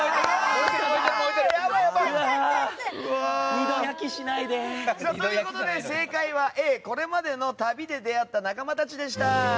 燃えてる、燃えてる！ということで正解はＡ、これまでの旅で出会った仲間たちでした。